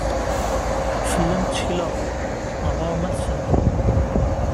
Fell-am ttekleɣ, ɣer ɣur-m ad sendeɣ.